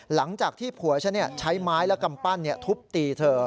หลังจากที่ผัวฉันใช้ไม้และกำปั้นทุบตีเธอ